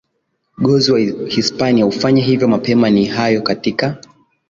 gozi wa hispania ufanye hivyo mapema ni hayo katika